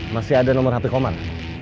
masih ada nomor hp koman